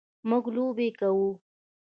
موږ لوبې کوو.